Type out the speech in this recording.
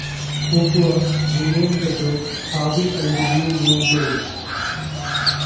Fuqua renamed the group Harvey and the New Moonglows.